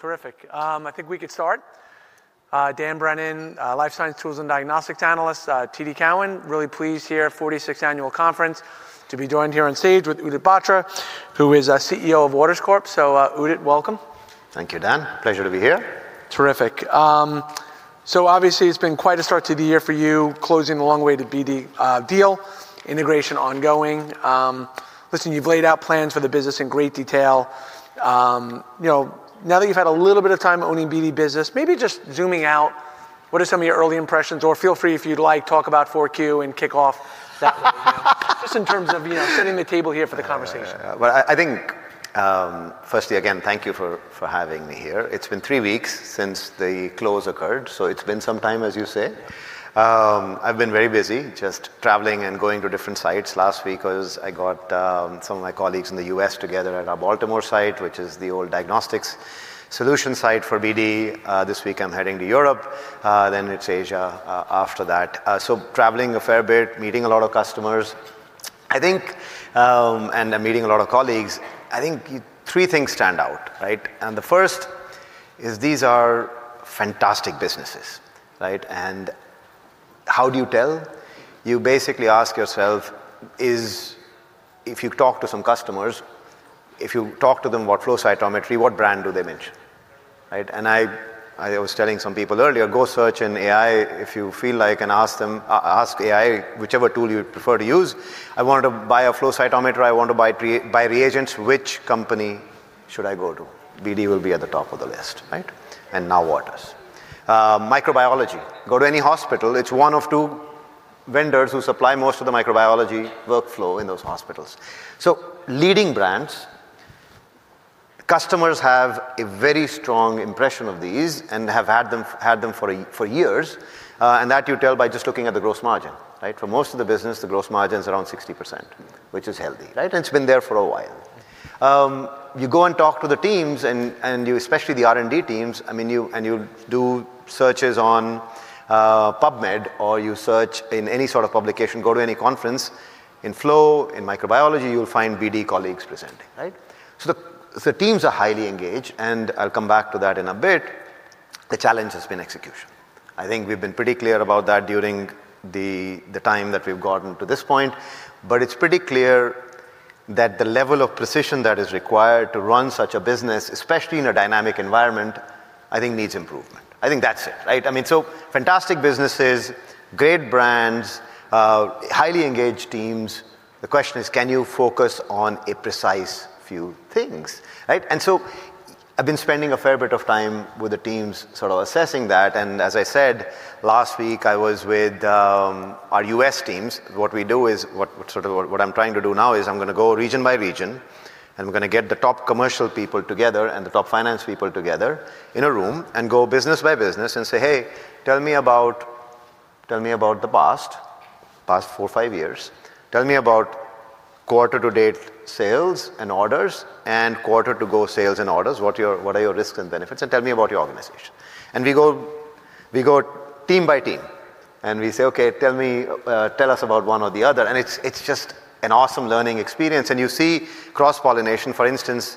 Terrific. I think we could start. Dan Brennan, Life Science Tools and Diagnostics analyst, TD Cowen. Really pleased here at 46th annual conference to be joined here on stage with Udit Batra, who is our CEO of Waters Corporation. Udit, welcome. Thank you, Dan. Pleasure to be here. Terrific. Obviously it's been quite a start to the year for you closing the long way to BD deal, integration ongoing. Listen, you've laid out plans for the business in great detail. You know, now that you've had a little bit of time owning BD business, maybe just zooming out, what are some of your early impressions? Feel free, if you'd like, talk about 4Q and kick off that way. Just in terms of, you know, setting the table here for the conversation. I think, firstly again, thank you for having me here. It's been three weeks since the close occurred, it's been some time, as you say. I've been very busy just traveling and going to different sites. Last week I got some of my colleagues in the U.S. together at our Baltimore site, which is the old Diagnostic Solutions site for BD. This week I'm heading to Europe, it's Asia after that. Traveling a fair bit, meeting a lot of customers. I think I'm meeting a lot of colleagues. I think three things stand out, right? The first is these are fantastic businesses, right? How do you tell? You basically ask yourself is if you talk to some customers, if you talk to them about flow cytometry, what brand do they mention, right? I was telling some people earlier, go search in AI if you feel like, and ask them, ask AI, whichever tool you would prefer to use, "I want to buy a flow cytometer. I want to buy reagents. Which company should I go to?" BD will be at the top of the list, right? Now Waters. Microbiology, go to any hospital, it's one of two vendors who supply most of the microbiology workflow in those hospitals. Leading brands, customers have a very strong impression of these and have had them for years, and that you tell by just looking at the gross margin, right? For most of the business, the gross margin's around 60%, which is healthy, right? It's been there for a while. You go and talk to the teams and you... especially the R&D teams, I mean, you do searches on PubMed or you search in any sort of publication, go to any conference in flow, in microbiology, you'll find BD colleagues presenting, right? Teams are highly engaged, and I'll come back to that in a bit. The challenge has been execution. I think we've been pretty clear about that during the time that we've gotten to this point, but it's pretty clear that the level of precision that is required to run such a business, especially in a dynamic environment, I think needs improvement. I think that's it, right? I mean, so fantastic businesses, great brands, highly engaged teams. The question is, can you focus on a precise few things, right? I've been spending a fair bit of time with the teams sort of assessing that. As I said, last week, I was with our U.S. teams. What I'm trying to do now is I'm gonna go region by region, and we're gonna get the top commercial people together and the top finance people together in a room and go business by business and say, "Hey, tell me about the past four, five years. Tell me about quarter to date sales and orders, and quarter to go sales and orders. What are your risks and benefits? Tell me about your organization." We go team by team, and we say, "Okay, tell us about one or the other." It's just an awesome learning experience. You see cross-pollination. For instance,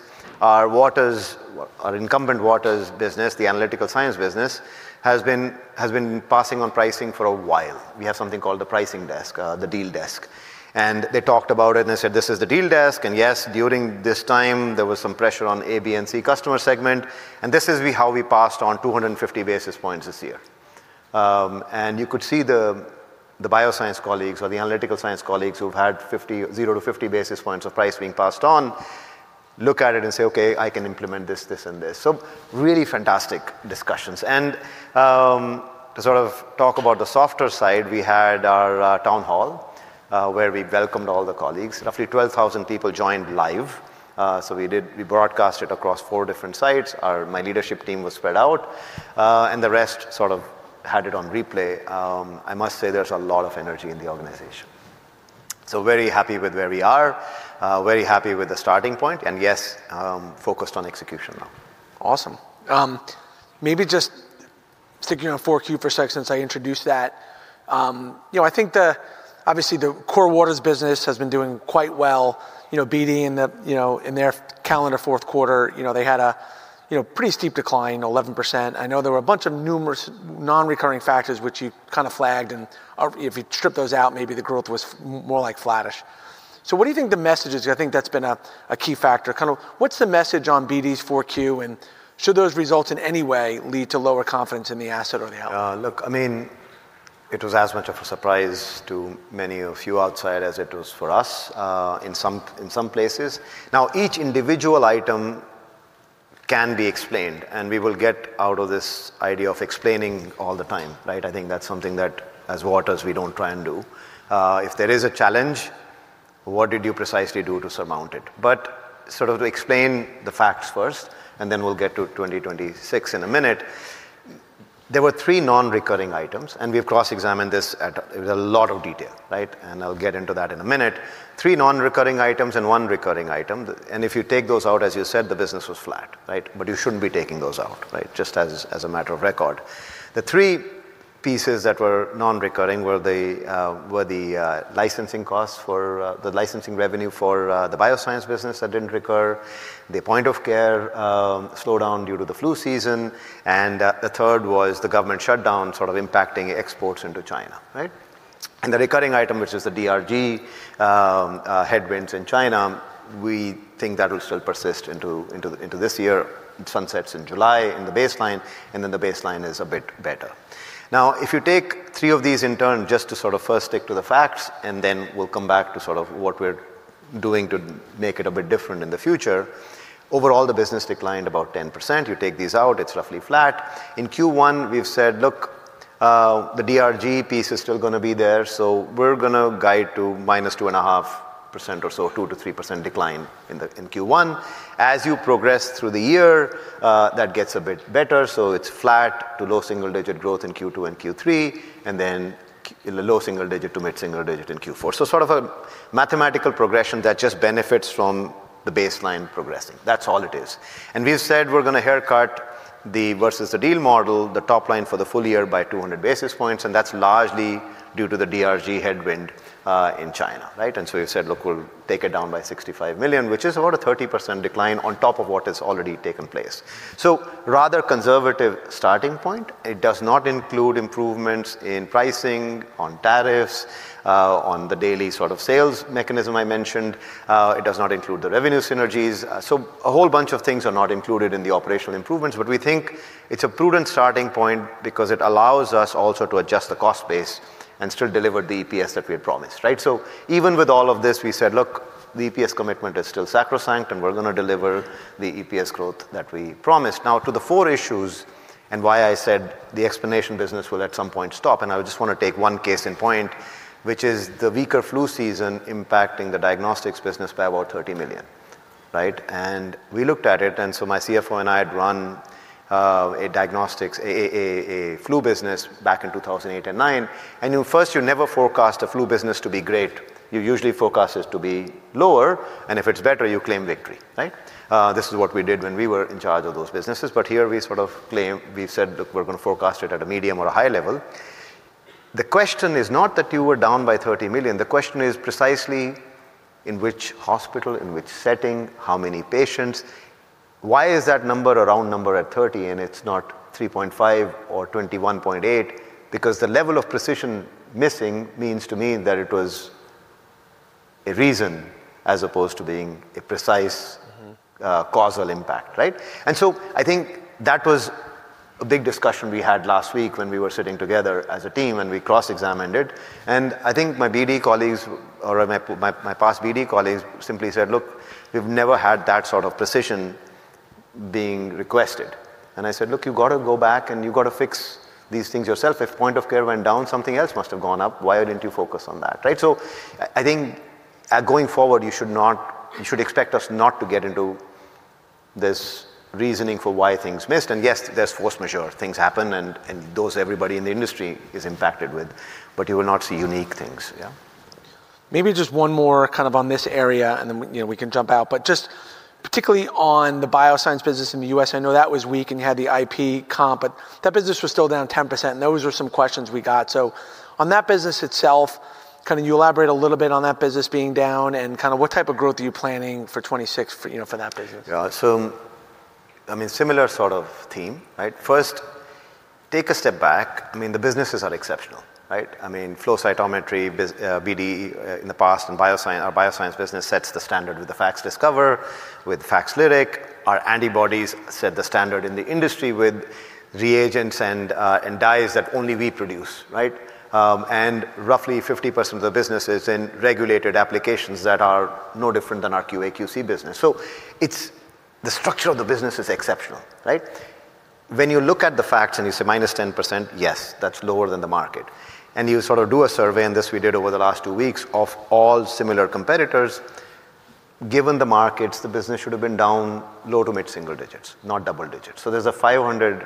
our Waters, our incumbent Waters business, the analytical science business, has been passing on pricing for a while. We have something called the pricing desk, the deal desk. They talked about it, and they said, "This is the deal desk. Yes, during this time, there was some pressure on A, B, and C customer segment, and this is how we passed on 250 basis points this year." You could see the bioscience colleagues or the analytical science colleagues who've had 0 basis points-50 basis points of price being passed on look at it and say, "Okay, I can implement this, and this." Really fantastic discussions. To sort of talk about the softer side, we had our town hall where we welcomed all the colleagues. Roughly 12,000 people joined live. We broadcast it across four different sites. My leadership team was spread out, the rest sort of had it on replay. I must say there's a lot of energy in the organization. Very happy with where we are, very happy with the starting point. Yes, focused on execution now. Awesome. maybe just sticking on Q4 for a sec since I introduced that. you know, I think obviously the core Waters business has been doing quite well. you know, BD in the, you know, in their calendar fourth quarter, you know, they had a, you know, pretty steep decline, 11%. I know there were a bunch of numerous non-recurring factors which you kind of flagged and, if you strip those out, maybe the growth was more like flattish. What do you think the message is? I think that's been a key factor. Kind of what's the message on BD's Q4, and should those results in any way lead to lower confidence in the asset or the outcome? Look, I mean, it was as much of a surprise to many of you outside as it was for us, in some places. Each individual item can be explained, and we will get out of this idea of explaining all the time, right? I think that's something that as Waters we don't try and do. If there is a challenge, what did you precisely do to surmount it? Sort of to explain the facts first, and then we'll get to 2026 in a minute. There were three non-recurring items, and we've cross-examined this at a lot of detail, right? I'll get into that in a minute. Three non-recurring items and one recurring item. If you take those out, as you said, the business was flat, right? You shouldn't be taking those out, right? Just as a matter of record. The three pieces that were non-recurring were the licensing costs for the licensing revenue for the bioscience business that didn't recur, the point-of-care slowdown due to the flu season, and the third was the government shutdown sort of impacting exports into China, right? The recurring item, which is the DRG headwinds in China, we think that will still persist into this year. It sunsets in July in the baseline, and then the baseline is a bit better. If you take three of these in turn just to sort of first stick to the facts, and then we'll come back to sort of what we're doing to make it a bit different in the future. Overall, the business declined about 10%. You take these out, it's roughly flat. In Q1, we've said, look, the DRG piece is still gonna be there, so we're gonna guide to -2.5% or so, 2%-3% decline in the, in Q1. As you progress through the year, that gets a bit better, so it's flat to low single digit growth in Q2 and Q3, and then low single digit to mid single digit in Q4. Sort of a mathematical progression that just benefits from the baseline progressing. That's all it is. We've said we're gonna haircut the versus the deal model, the top line for the full year by 200 basis points, and that's largely due to the DRG headwind, in China, right? We've said, look, we'll take it down by $65 million, which is about a 30% decline on top of what has already taken place. Rather conservative starting point. It does not include improvements in pricing, on tariffs, on the daily sort of sales mechanism I mentioned. It does not include the revenue synergies. A whole bunch of things are not included in the operational improvements, but we think it's a prudent starting point because it allows us also to adjust the cost base and still deliver the EPS that we had promised, right? Even with all of this, we said, look, the EPS commitment is still sacrosanct, and we're gonna deliver the EPS growth that we promised. Now to the four issues and why I said the explanation business will at some point stop, and I just wanna take one case in point, which is the weaker flu season impacting the diagnostics business by about $30 million, right? We looked at it, my CFO and I had run a diagnostics, a flu business back in 2008 and 2009. You never forecast a flu business to be great. You usually forecast it to be lower, and if it's better, you claim victory, right? This is what we did when we were in charge of those businesses. Here we've said, look, we're gonna forecast it at a medium or a high level. The question is not that you were down by $30 million. The question is precisely in which hospital, in which setting, how many patients, why is that number a round number at 30 and it's not 3.5 or 21.8? The level of precision missing means to me that it was a reason as opposed to being a precise... Mm-hmm. causal impact, right? I think that was a big discussion we had last week when we were sitting together as a team and we cross-examined it. I think my BD colleagues or my past BD colleagues simply said, "Look, we've never had that sort of precision being requested." I said, "Look, you've got to go back and you've got to fix these things yourself. If point-of-care went down, something else must have gone up. Why didn't you focus on that?" Right? I think, going forward, you should expect us not to get into this reasoning for why things missed. Yes, there's force majeure. Things happen and those everybody in the industry is impacted with, but you will not see unique things. Yeah. Maybe just one more kind of on this area and then, you know, we can jump out. Just particularly on the bioscience business in the U.S., I know that was weak and you had the IP comp, but that business was still down 10% and those were some questions we got. On that business itself, can you elaborate a little bit on that business being down and kind of what type of growth are you planning for 2026 for, you know, for that business? I mean, similar sort of theme, right? First, take a step back. I mean, the businesses are exceptional, right? I mean, flow cytometry, BD in the past and our bioscience business sets the standard with the BioAccord System, with Facts Lyric. Our antibodies set the standard in the industry with reagents and dyes that only we produce, right? Roughly 50% of the business is in regulated applications that are no different than our QA QC business. The structure of the business is exceptional, right? When you look at the facts and you say -10%, yes, that's lower than the market. You sort of do a survey, and this we did over the last two weeks, of all similar competitors, given the markets, the business should have been down low to mid single digits, not double digits. There's a 500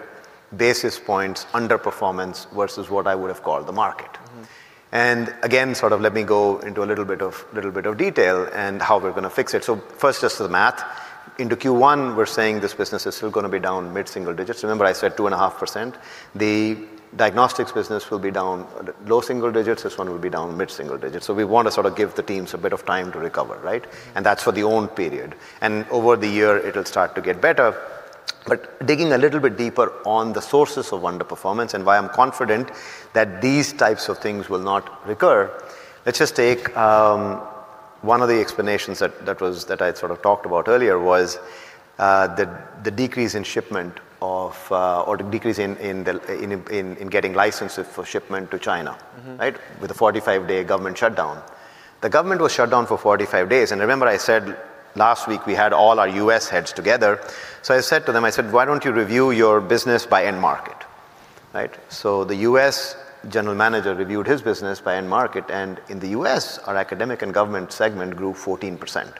basis points underperformance versus what I would have called the market. Mm-hmm. Again, sort of let me go into a little bit of detail and how we're gonna fix it. First, just the math. Into Q1, we're saying this business is still gonna be down mid single digits. Remember I said 2.5%. The diagnostics business will be down low single digits. This one will be down mid single digits. We want to sort of give the teams a bit of time to recover, right? That's for the own period. Over the year, it'll start to get better. Digging a little bit deeper on the sources of underperformance and why I'm confident that these types of things will not recur, let's just take, one of the explanations that I had sort of talked about earlier was, the decrease in shipment of, or the decrease in getting licenses for shipment to China. Mm-hmm. Right? With a 45-day government shutdown. The government was shut down for 45 days, and remember I said last week we had all our U.S. heads together. I said to them, I said, "Why don't you review your business by end market?" Right? The U.S. general manager reviewed his business by end market, and in the U.S., our academic and government segment grew 14%.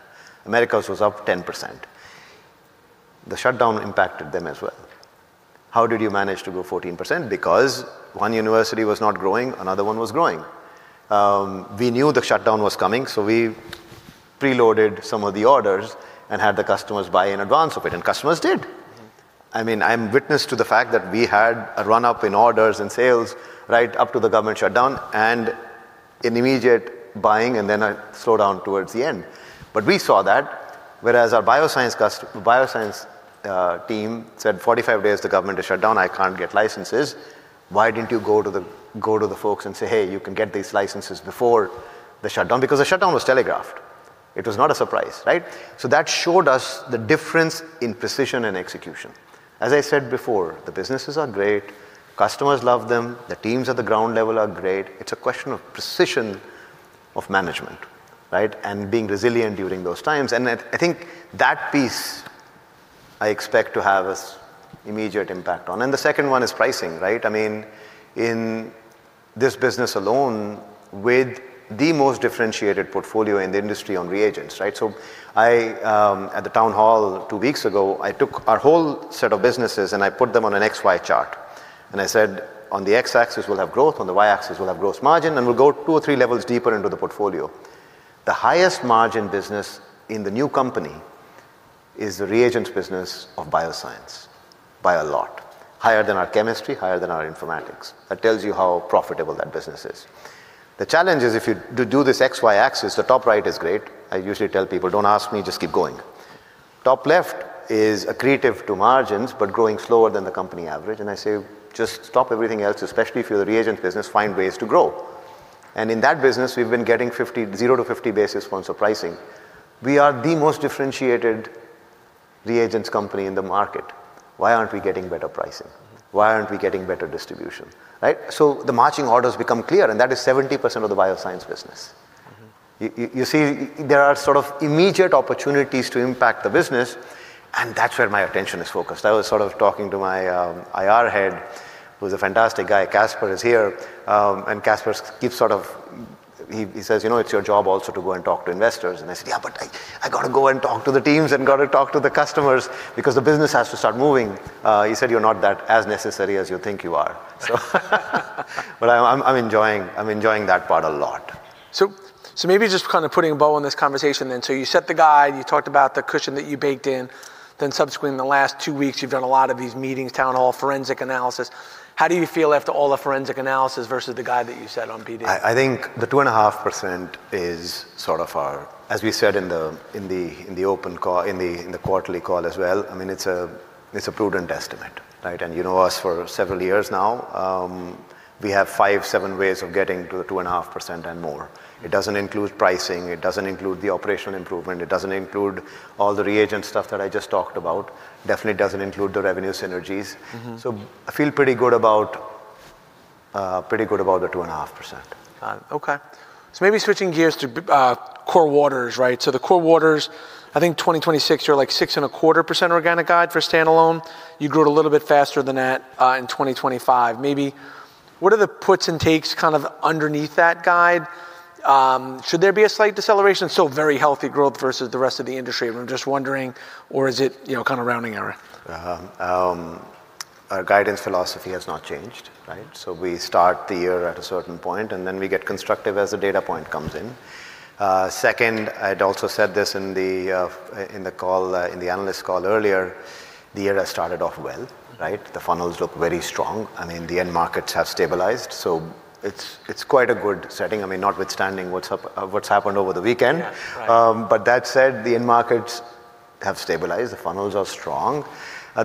Americas was up 10%. The shutdown impacted them as well. How did you manage to grow 14%? One university was not growing, another one was growing. We knew the shutdown was coming, so we preloaded some of the orders and had the customers buy in advance of it, and customers did. Mm-hmm. I mean, I'm witness to the fact that we had a run-up in orders and sales right up to the government shutdown, and an immediate buying and then a slowdown towards the end. We saw that, whereas our bioscience team said, "45 days, the government is shut down. I can't get licenses." Why didn't you go to the folks and say, "Hey, you can get these licenses before the shutdown"? The shutdown was telegraphed. It was not a surprise, right? That showed us the difference in precision and execution. As I said before, the businesses are great, customers love them, the teams at the ground level are great. It's a question of precision of management, right? Being resilient during those times. I think that piece I expect to have as immediate impact on. The second one is pricing, right? I mean, in this business alone, with the most differentiated portfolio in the industry on reagents, right? I, at the town hall two weeks ago, I took our whole set of businesses and I put them on an XY chart and I said, "On the X-axis, we'll have growth, on the Y-axis, we'll have gross margin, and we'll go two or three levels deeper into the portfolio." The highest margin business in the new company is the reagents business of bioscience by a lot. Higher than our chemistry, higher than our informatics. That tells you how profitable that business is. The challenge is if you do this XY axis, the top right is great. I usually tell people, "Don't ask me, just keep going." Top left is accretive to margins, but growing slower than the company average. I say, "Just stop everything else, especially if you're the reagent business, find ways to grow." In that business, we've been getting 0 basis points-50 basis points of pricing. We are the most differentiated reagents company in the market. Why aren't we getting better pricing? Why aren't we getting better distribution, right? The marching orders become clear, and that is 70% of the bioscience business. Mm-hmm. You see, there are sort of immediate opportunities to impact the business, that's where my attention is focused. I was sort of talking to my IR head, who's a fantastic guy. Casper is here. Casper keeps sort of. He says, "You know, it's your job also to go and talk to investors." I said, "Yeah, but I gotta go and talk to the teams and gotta talk to the customers because the business has to start moving." He said, "You're not that as necessary as you think you are." I'm enjoying that part a lot. Maybe just kind of putting a bow on this conversation then. You set the guide, you talked about the cushion that you baked in, then subsequently in the last two weeks, you've done a lot of these meetings, town hall, forensic analysis. How do you feel after all the forensic analysis versus the guide that you set on BD? I think the 2.5% is sort of our... As we said in the open call, in the quarterly call as well, I mean, it's a prudent estimate, right? You know us for several years now, we have five, seven ways of getting to the 2.5% and more. It doesn't include pricing, it doesn't include the operational improvement, it doesn't include all the reagent stuff that I just talked about. Definitely doesn't include the revenue synergies. Mm-hmm. I feel pretty good about, pretty good about the 2.5%. Okay. Maybe switching gears to core Waters, right? The core Waters, I think 2026, you're like 6.25% organic guide for standalone. You grew it a little bit faster than that in 2025. Maybe what are the puts and takes kind of underneath that guide? Should there be a slight deceleration? Still very healthy growth versus the rest of the industry. We're just wondering or is it, you know, kind of rounding error? Our guidance philosophy has not changed, right. We start the year at a certain point, and then we get constructive as the data point comes in. Second, I'd also said this in the call, in the analyst call earlier, the year has started off well, right. The funnels look very strong. I mean, the end markets have stabilized, so it's quite a good setting. I mean, notwithstanding what's happened over the weekend. Yeah. Right. That said, the end markets have stabilized. The funnels are strong.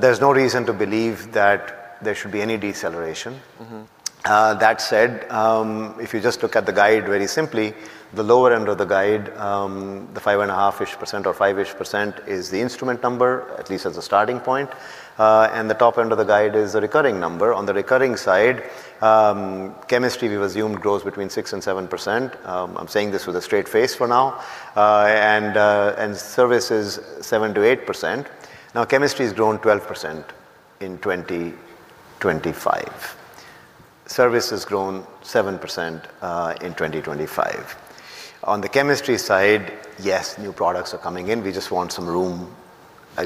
There's no reason to believe that there should be any deceleration. Mm-hmm. That said, if you just look at the guide very simply, the lower end of the guide, the 5.5%-ish or 5%-ish is the instrument number, at least as a starting point. The top end of the guide is the recurring number. On the recurring side, chemistry we've assumed grows between 6% and 7%. I'm saying this with a straight face for now. Service is 7%-8%. Chemistry has grown 12% in 2025. Service has grown 7% in 2025. On the chemistry side, yes, new products are coming in. We just want some room,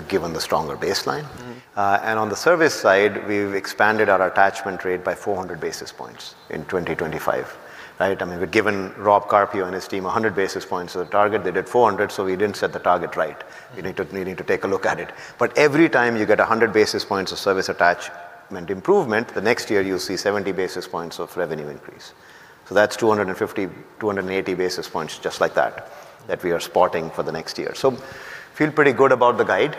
given the stronger baseline. Mm-hmm. On the service side, we've expanded our attachment rate by 400 basis points in 2025, right? I mean, we've given Rob Carpio and his team 100 basis points of the target. They did 400, we didn't set the target right. We need to take a look at it. Every time you get 100 basis points of service attachment improvement, the next year you'll see 70 basis points of revenue increase. That's 250 basis points, 280 basis points just like that we are spotting for the next year. Feel pretty good about the guide.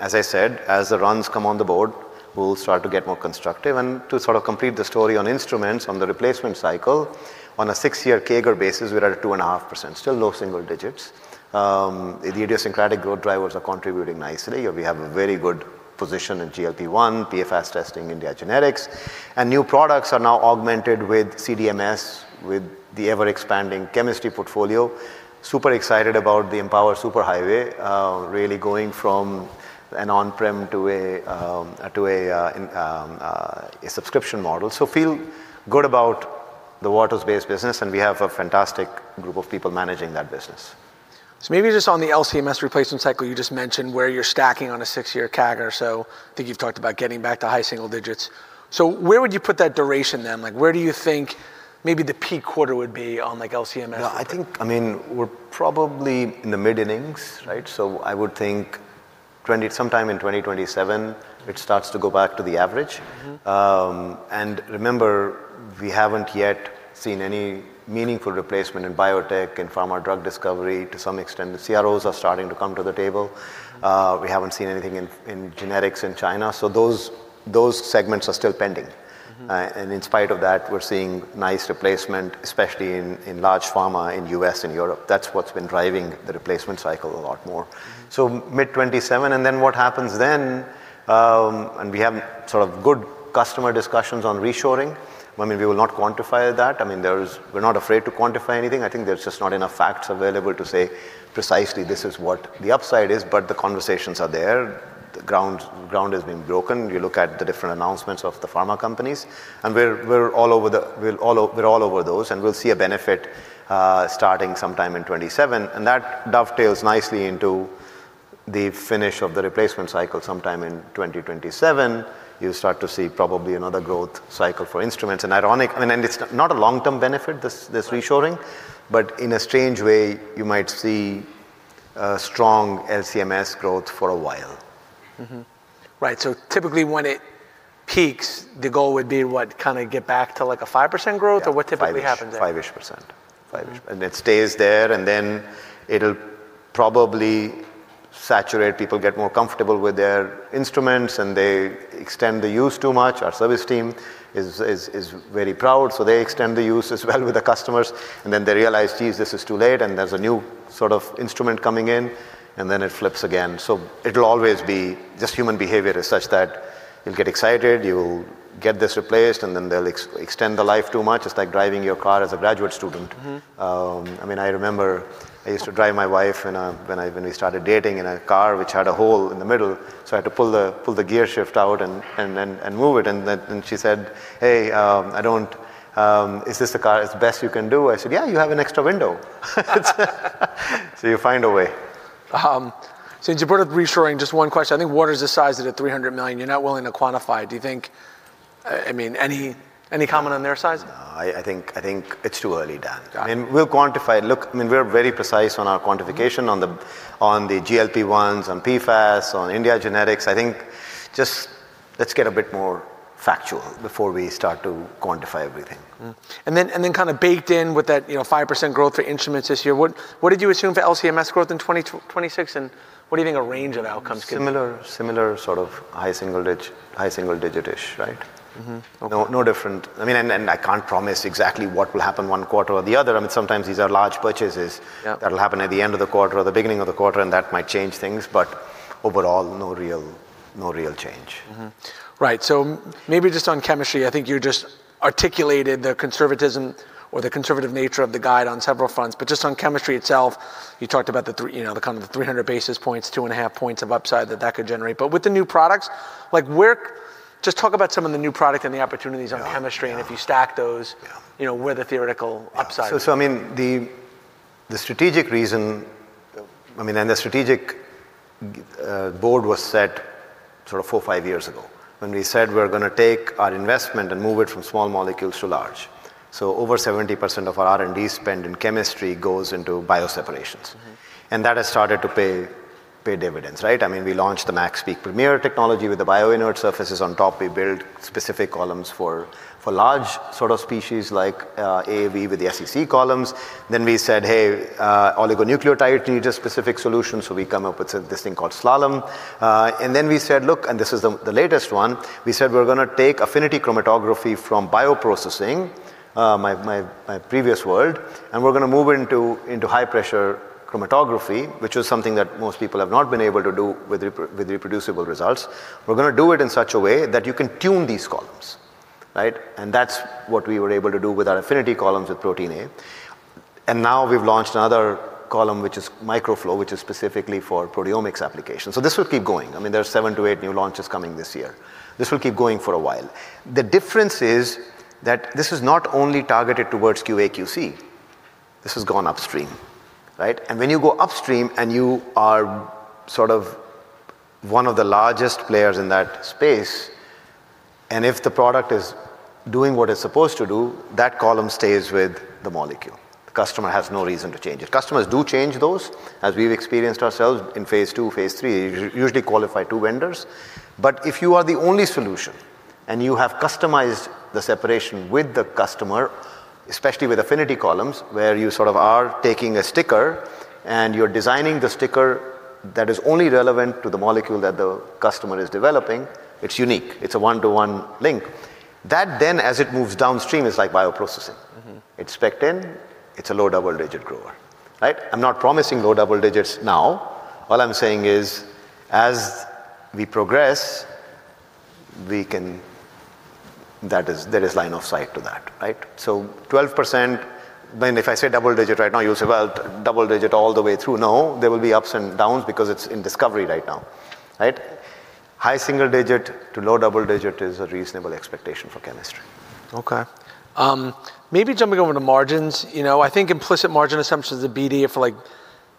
As I said, as the runs come on the board, we'll start to get more constructive. To sort of complete the story on instruments, on the replacement cycle, on a six-year CAGR basis, we're at a 2.5%. Still low single digits. Idiosyncratic growth drivers are contributing nicely, and we have a very good position in GLP-1, PFAS testing, and dia genetics. New products are now augmented with CDMS, with the ever-expanding chemistry portfolio. Super excited about the Empower Cloud, really going from an on-prem to a subscription model. Feel good about the Waters-based business, and we have a fantastic group of people managing that business. Maybe just on the LC-MS replacement cycle you just mentioned, where you're stacking on a six-year CAGR. I think you've talked about getting back to high single digits. Where would you put that duration then? Like, where do you think maybe the peak quarter would be on LC-MS? Yeah. I think, I mean, we're probably in the mid-innings, right? I would think sometime in 2027, it starts to go back to the average. Mm-hmm. Remember, we haven't yet seen any meaningful replacement in biotech and pharma drug discovery. To some extent, the CROs are starting to come to the table. We haven't seen anything in genetics in China. Those segments are still pending. Mm-hmm. In spite of that, we're seeing nice replacement, especially in large pharma in U.S. and Europe. That's what's been driving the replacement cycle a lot more. Mid-2027, what happens then, we have sort of good customer discussions on reshoring. I mean, we will not quantify that. I mean, we're not afraid to quantify anything. I think there's just not enough facts available to say precisely this is what the upside is, the conversations are there. The ground has been broken. You look at the different announcements of the pharma companies, we're all over those, and we'll see a benefit starting sometime in 2027, that dovetails nicely into the finish of the replacement cycle sometime in 2027. You start to see probably another growth cycle for instruments. I mean, it's not a long-term benefit, this reshoring, but in a strange way, you might see a strong LC-MS growth for a while. Mm-hmm. Right. Typically when it peaks, the goal would be what? Kinda get back to like a 5% growth? Yeah. What typically happens there? 5-ish %. 5-ish %. Mm-hmm. It stays there, and then it'll probably saturate. People get more comfortable with their instruments, and they extend the use too much. Our service team is very proud, so they extend the use as well with the customers, and then they realize, 'Geez, this is too late,' and there's a new sort of instrument coming in, and then it flips again. It'll always be. Just human behavior is such that you'll get excited, you'll get this replaced, and then they'll extend the life too much. It's like driving your car as a graduate student. Mm-hmm. I mean, I remember I used to drive my wife in a when we started dating in a car which had a hole in the middle. I had to pull the gear shift out and then move it. Then she said, "Hey, I don't... Is this the car? It's the best you can do?" I said, "Yeah, you have an extra window." You find a way. Since you brought up reshoring, just one question. I think Waters has sized it at $300 million. You're not willing to quantify. Do you think, I mean, any comment on their sizing? No. I think it's too early, Dan. Got it. I mean, we'll quantify. Look, I mean, we're very precise on our quantification on the, on the GLP-ones, on PFAS, on India genetics. I think just let's get a bit more factual before we start to quantify everything. kind of baked in with that, you know, 5% growth for instruments this year, what did you assume for LC-MS growth in 2026, and what do you think a range of outcomes could be? Similar sort of high single digit-ish, right? Okay. No, no different. I mean, I can't promise exactly what will happen one quarter or the other. I mean, sometimes these are large purchases. Yeah. that'll happen at the end of the quarter or the beginning of the quarter, that might change things. overall, no real change. Right. Maybe just on chemistry, I think you just articulated the conservatism or the conservative nature of the guide on several fronts. Just on chemistry itself, you talked about the three, you know, the kind of the 300 basis points, 2.5 points of upside that that could generate. With the new products, like Just talk about some of the new product and the opportunities on the chemistry- Yeah. If you stack those. Yeah. you know, where the theoretical upside is. I mean, the strategic reason, I mean, the strategic board was set sort of four, five years ago when we said we're gonna take our investment and move it from small molecules to large. Over 70% of our R&D spend in chemistry goes into bioseparations. Mm-hmm. That has started to pay dividends, right? I mean, we launched the MaxPeak Premier technology with the bioinert surfaces on top. We built specific columns for large sort of species like AAV with the SEC columns. We said, "Hey, oligonucleotide needs a specific solution," so we come up with this thing called Slalom. We said, "Look," this is the latest one. We said, "We're gonna take affinity chromatography from bioprocessing," my previous world, "we're gonna move it into high-pressure chromatography," which is something that most people have not been able to do with reproducible results. We're gonna do it in such a way that you can tune these columns, right? That's what we were able to do with our affinity columns with Protein A. Now we've launched another column, which is MicroFlow, which is specifically for proteomics applications. This will keep going. I mean, there are seven to eight new launches coming this year. This will keep going for a while. The difference is that this is not only targeted towards QA/QC. This has gone upstream, right? When you go upstream, and you are sort of one of the largest players in that space, and if the product is doing what it's supposed to do, that column stays with the molecule. The customer has no reason to change it. Customers do change those, as we've experienced ourselves in phase II, phase III. You usually qualify two vendors. If you are the only solution, and you have customized the separation with the customer, especially with affinity columns, where you sort of are taking a sticker and you're designing the sticker that is only relevant to the molecule that the customer is developing, it's unique. It's a one-to-one link. That then, as it moves downstream, is like bioprocessing. Mm-hmm. Expect it's a low double-digit grower, right? I'm not promising low double digits now. All I'm saying is, as we progress, we can. That is, there is line of sight to that, right? 12%, I mean, if I say double digit right now, you'll say, "Well, double digit all the way through." No, there will be ups and downs because it's in discovery right now, right? High single-digit to low double-digit is a reasonable expectation for chemistry. Okay. maybe jumping over to margins. You know, I think implicit margin assumptions of BD are for like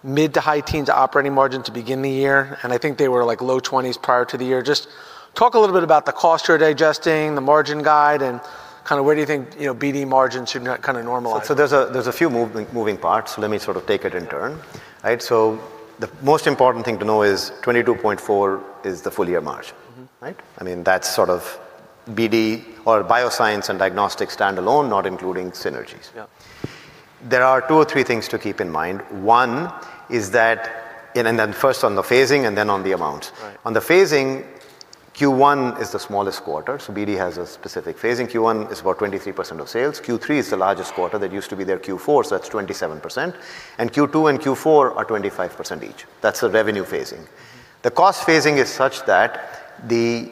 mid to high teens operating margin to begin the year, and I think they were like low twenties prior to the year. Just talk a little bit about the cost you're digesting, the margin guide, and kinda where do you think, you know, BD margins should kind of normalize? There's a few moving parts. Let me sort of take it in turn, right. The most important thing to know is 22.4% is the full year margin. Mm-hmm. Right? I mean, that's BD or bioscience and diagnostic standalone, not including synergies. Yeah. There are two or three things to keep in mind. One is that. Then first on the phasing and then on the amount. Right. On the phasing, Q1 is the smallest quarter, so BD has a specific phasing. Q1 is about 23% of sales. Q3 is the largest quarter, that used to be their Q4, so that's 27%. Q2 and Q4 are 25% each. That's the revenue phasing. The cost phasing is such that the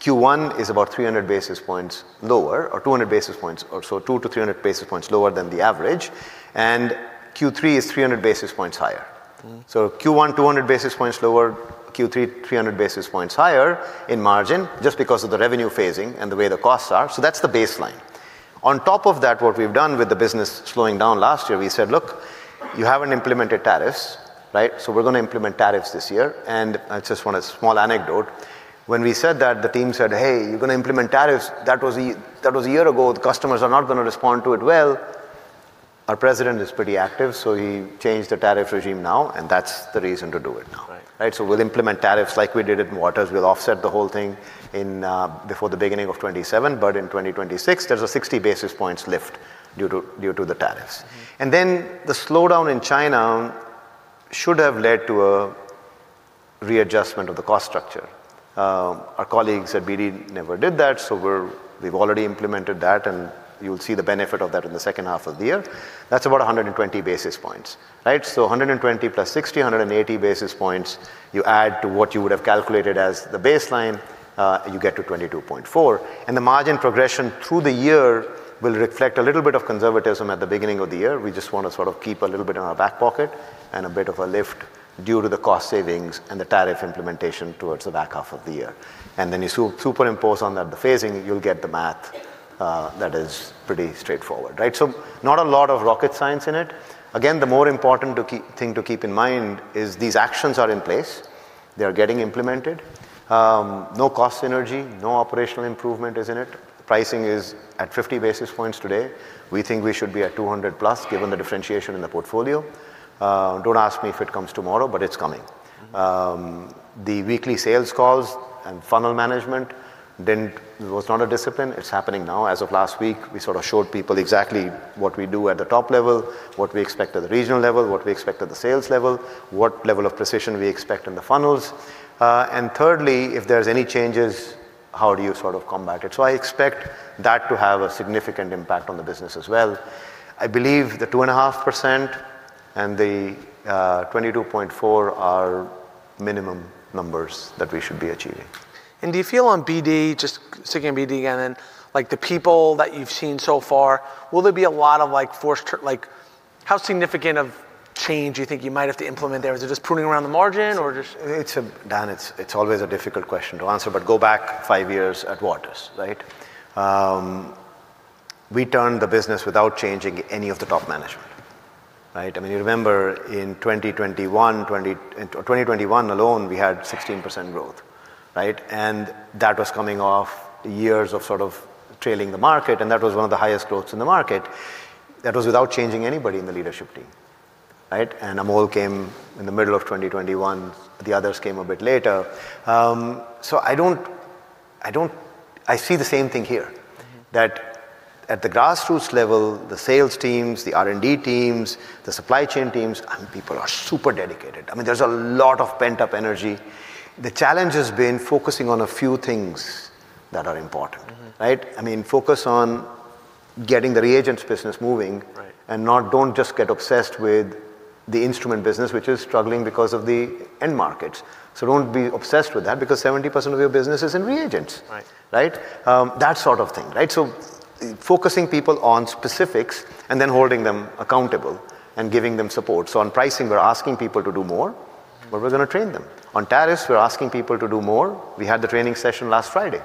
Q1 is about 300 basis points lower or 200 basis points or so, 200 basis points-300 basis points lower than the average, and Q3 is 300 basis points higher. Mm-hmm. Q1, 200 basis points lower, Q3, 300 basis points higher in margin, just because of the revenue phasing and the way the costs are. That's the baseline. On top of that, what we've done with the business slowing down last year, we said, "Look, you haven't implemented tariffs, right? We're gonna implement tariffs this year." I just want a small anecdote. When we said that, the team said, "Hey, you're gonna implement tariffs. That was a year ago. The customers are not gonna respond to it well." Our president is pretty active, he changed the tariff regime now, that's the reason to do it now. Right. Right. We'll implement tariffs like we did at Waters. We'll offset the whole thing in before the beginning of 2027. In 2026, there's a 60 basis points lift due to the tariffs. Mm-hmm. The slowdown in China should have led to a readjustment of the cost structure. Our colleagues at BD never did that, so we've already implemented that, and you'll see the benefit of that in the second half of the year. That's about 120 basis points. Right? 120 + 60, 180 basis points you add to what you would have calculated as the baseline, you get to 22.4. The margin progression through the year will reflect a little bit of conservatism at the beginning of the year. We just wanna sort of keep a little bit in our back pocket and a bit of a lift due to the cost savings and the tariff implementation towards the back half of the year. You superimpose on that the phasing, you'll get the math. That is pretty straightforward, right? Not a lot of rocket science in it. Again, the more important thing to keep in mind is these actions are in place. They are getting implemented. No cost synergy, no operational improvement is in it. Pricing is at 50 basis points today. We think we should be at 200+, given the differentiation in the portfolio. Don't ask me if it comes tomorrow, but it's coming. The weekly sales calls and funnel management was not a discipline. It's happening now. As of last week, we sort of showed people exactly what we do at the top level, what we expect at the regional level, what we expect at the sales level, what level of precision we expect in the funnels. Thirdly, if there's any changes, how do you sort of combat it? I expect that to have a significant impact on the business as well. I believe the 2.5% and the 22.4% are minimum numbers that we should be achieving. Do you feel on BD, just sticking to BD again, and like the people that you've seen so far, will there be a lot of like forced Like, how significant of change do you think you might have to implement there? Is it just pruning around the margin? It's Dan, it's always a difficult question to answer, but go back five years at Waters, right? We turned the business without changing any of the top management, right? I mean, you remember in 2021, in 2021 alone, we had 16% growth, right? That was coming off years of sort of trailing the market, and that was one of the highest growths in the market. That was without changing anybody in the leadership team, right? Amol came in the middle of 2021, the others came a bit later. I don't. I see the same thing here. Mm-hmm. At the grassroots level, the sales teams, the R&D teams, the supply chain teams, and people are super dedicated. I mean, there's a lot of pent-up energy. The challenge has been focusing on a few things that are important. Mm-hmm. Right? I mean, focus on getting the reagents business moving. Right... don't just get obsessed with the instrument business, which is struggling because of the end markets. Don't be obsessed with that because 70% of your business is in reagents. Right. Right? That sort of thing, right? Focusing people on specifics and then holding them accountable and giving them support. On pricing, we're asking people to do more, but we're gonna train them. On tariffs, we're asking people to do more. We had the training session last Friday,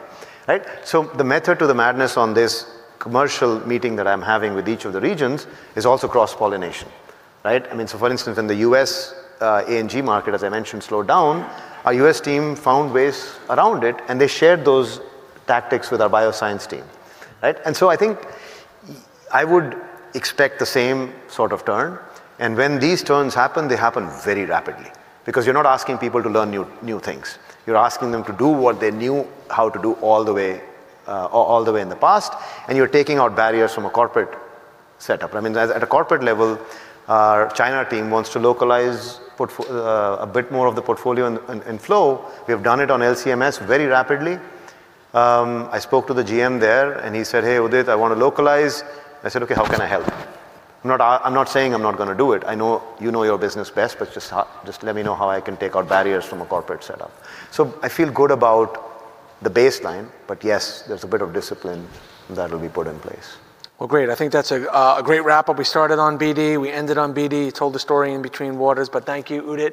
right? The method to the madness on this commercial meeting that I'm having with each of the regions is also cross-pollination, right? I mean, for instance, in the U.S., A&G market, as I mentioned, slowed down. Our U.S. team found ways around it, and they shared those tactics with the bioscience team, right? I think I would expect the same sort of turn. When these turns happen, they happen very rapidly because you're not asking people to learn new things. You're asking them to do what they knew how to do all the way, all the way in the past, and you're taking out barriers from a corporate setup. I mean, at a corporate level, our China team wants to localize a bit more of the portfolio and flow. We have done it on LC-MS very rapidly. I spoke to the GM there and he said, "Hey, Udit, I wanna localize." I said, "Okay, how can I help?" I'm not saying I'm not gonna do it. I know you know your business best, but just let me know how I can take out barriers from a corporate setup. I feel good about the baseline, but yes, there's a bit of discipline that will be put in place. Well, great. I think that's a great wrap-up. We started on B D, we ended on BD. Told the story in between Waters. Thank you, Udit.